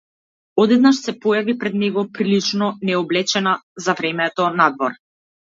Одеднаш се појави пред него прилично необлечена за времето надвор.